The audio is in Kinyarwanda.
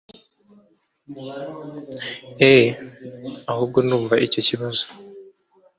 eheeeee ahubwo ndumva icyo kibazo